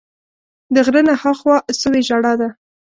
د غره نه ها خوا سوې ژړا ده